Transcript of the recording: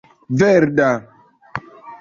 verda